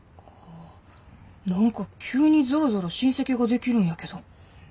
あ何か急にぞろぞろ親戚ができるんやけど。